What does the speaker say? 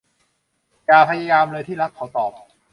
อย่าพยายามเลยที่รัก เขาตอบ